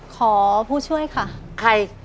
ขอผู้ช่วยค่ะใคร